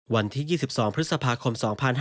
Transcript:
วันที่๒๒พฤษภาคม๒๕๕๙